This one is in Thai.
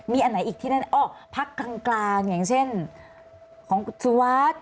มีอันไหนอีกที่นั่นพักกลางอย่างเช่นของสุวรรค